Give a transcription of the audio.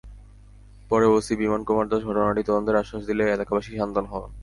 পরে ওসি বিমান কুমার দাশ ঘটনাটি তদন্তের আশ্বাস দিলে এলাকাবাসী শান্ত হন।